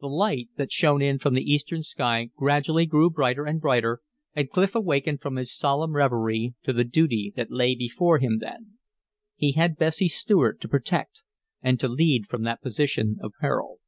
The light that shone in from the eastern sky gradually grew brighter and brighter, and Clif awakened from his solemn reverie to the duty that lay before him then. He had Bessie Stuart to protect, and to lead from that position of peril.